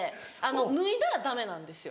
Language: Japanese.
脱いだらダメなんですよ。